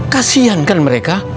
kasian kan mereka